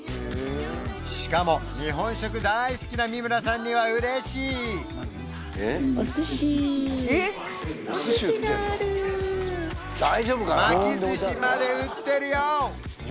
しかも日本食大好きな三村さんには嬉しい巻き寿司まで売ってるよ